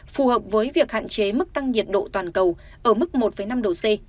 phù hợp với việc hạn chế mức tăng nhiệt độ toàn cầu ở mức một năm độ c